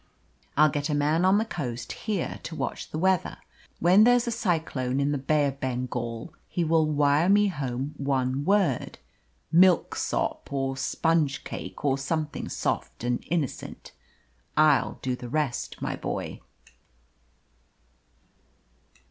I'll get a man on the coast here to watch the weather. When there's a cyclone in the Bay of Bengal he will wire me home one word, 'Milksop,' or 'Spongecake,' or something soft and innocent. I'll do the rest, my boy."